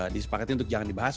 disepakati untuk jangan dibahas